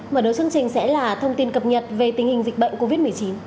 mở đầu chương trình sẽ là thông tin cập nhật về tình hình dịch bệnh covid một mươi chín